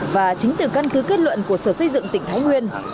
và chính từ căn cứ kết luận của sở xây dựng tỉnh thái nguyên